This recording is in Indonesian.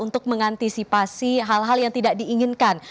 untuk mengantisipasi hal hal yang tidak diinginkan